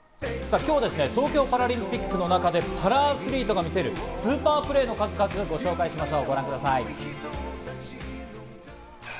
今日は東京パラリンピックの中でパラアスリートが見せるスーパープレーの数々をご紹介しましょう。